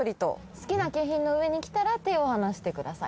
「好きな景品の上にきたら手をはなしてください。